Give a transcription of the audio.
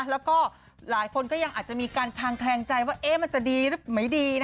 แล้วก็หลายคนอาจมีมีการแข็งใจว่าเอ๊ะมันจะดีหรือไม่ดี